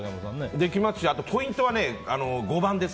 できますしあとポイントは５番。